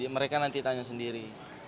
mereka nanti tanya sendiri